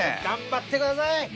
頑張ってください。